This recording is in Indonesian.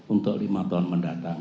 untuk lima tahun mendatang